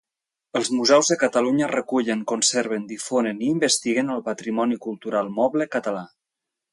Els museus de Catalunya recullen, conserven, difonen i investiguen el patrimoni cultural moble català.